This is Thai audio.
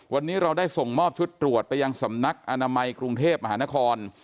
วันนี้เราได้ส่งมอบชุดตรวจไปยังสำนักอนามัยกรุงเทพมหานคร